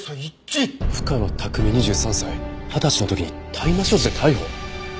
２３歳二十歳の時に大麻所持で逮捕！？